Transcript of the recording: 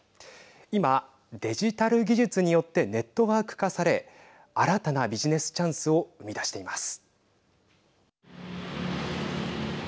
今、デジタル技術によってネットワーク化され新たなビジネスチャンスを生み出しています。